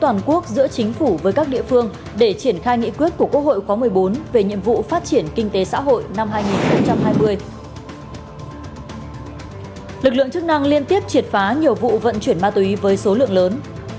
lực lượng chức năng liên tiếp triệt phá nhiều vụ vận chuyển ma túy với số lượng lớn